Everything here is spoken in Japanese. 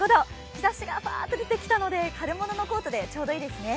日ざしがぱーっと出てきたので春物のコートでちょうどいいですね。